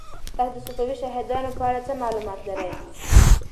تاسو د صفوي شاهانو په اړه څه معلومات لرئ؟